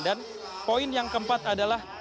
dan poin yang keempat adalah